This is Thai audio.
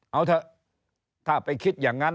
เอาเถอะถ้าไปคิดอย่างนั้น